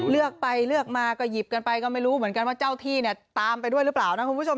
เลือกไปเลือกมาก็หยิบกันไปก็ไม่รู้ว่าเจ้าที่ตามไปด้วยหรือเปล่า